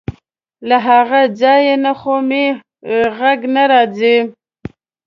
له هغه ځای نه خو مې غږ نه راځي.